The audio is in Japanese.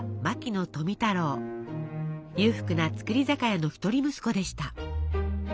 裕福な造り酒屋の一人息子でした。